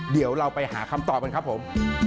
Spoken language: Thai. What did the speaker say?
เดี๋ยวเราไปหาคำตอบกันครับผม